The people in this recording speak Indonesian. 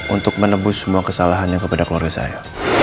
untuk menebus semua kesalahan yang kepada keluarga saya